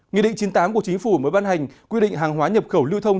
nghị định chín mươi tám của chính phủ mới ban hành quy định hàng hóa nhập khẩu lưu thông